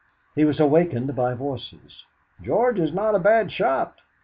He was awakened by voices. "George is not a bad shot!"